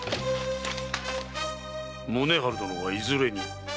宗春殿はいずれに？